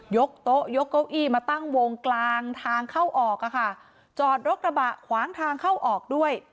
ยกโต๊ะยกเก้าอี้มาตั้งวงกลางทางเข้าออกอะค่ะจอดรถกระบะขวางทางเข้าออกด้วย